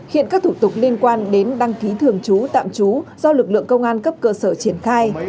hiện các thủ tục liên quan đến đăng ký thường trú tạm trú do lực lượng công an cấp cơ sở triển khai